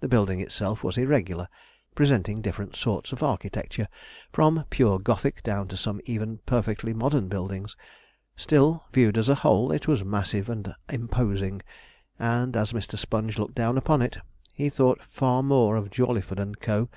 The building itself was irregular, presenting different sorts of architecture, from pure Gothic down to some even perfectly modern buildings; still, viewed as a whole, it was massive and imposing; and as Mr. Sponge looked down upon it, he thought far more of Jawleyford and Co.